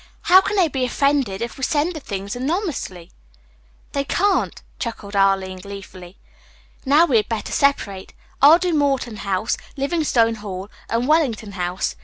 "How can they be offended if we send the things anonymously?" "They can't," chuckled Arline gleefully. "Now we had better separate. I'll do Morton House, Livingstone Hall and Wellington House.